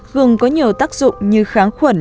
gừng có nhiều tác dụng như kháng khuẩn